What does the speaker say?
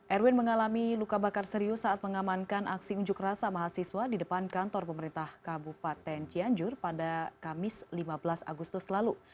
erwin mengalami luka bakar serius saat mengamankan aksi unjuk rasa mahasiswa di depan kantor pemerintah kabupaten cianjur pada kamis lima belas agustus lalu